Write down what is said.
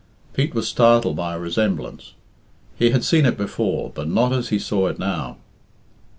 Pete was startled by a resemblance. He had seen it before, but not as he saw it now.